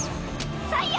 採用！